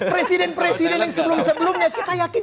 presiden presiden yang sebelum sebelumnya kita yakin